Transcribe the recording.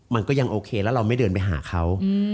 มันก็ยังโอเคแล้วเราไม่เดินไปหาเขา